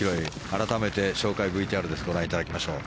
改めて紹介ＶＴＲご覧いただきましょう。